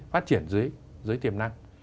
phát triển dưới tiềm năng